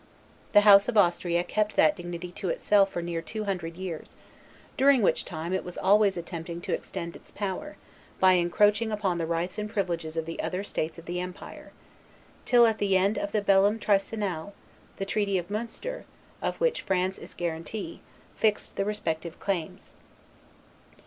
The House of Austria kept that dignity to itself for near two hundred years, during which time it was always attempting extend its power, by encroaching upon the rights and privileges of the other states of the empire; till at the end of the bellum tricennale, the treaty of Munster, of which France is guarantee, fixed the respective claims.